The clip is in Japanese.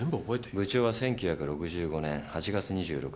部長は１９６５年８月２６日生まれ。